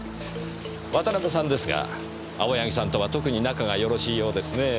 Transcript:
渡辺さんですが青柳さんとは特に仲がよろしいようですねぇ？